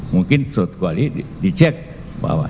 mungkin surat kuali dicek bahwa